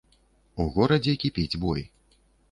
У горадзе кіпіць бой.